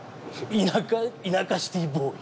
田舎田舎シティーボーイ。